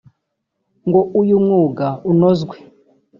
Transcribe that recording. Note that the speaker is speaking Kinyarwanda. ngo uyu umwuga unozwe